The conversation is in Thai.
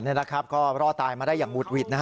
นี่นะครับก็รอตายมาได้อย่างมุดวิทย์